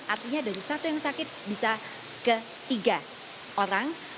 artinya dari satu yang sakit bisa ke tiga orang